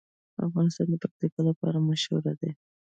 افغانستان د پکتیا لپاره مشهور دی.